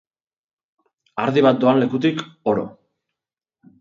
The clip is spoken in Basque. Ardi bat doan lekutik, oro.